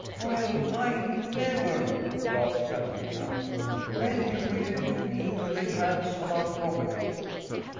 "Well, I never!" gasped Katrina. "Then you really do mean to lay hands on our property?"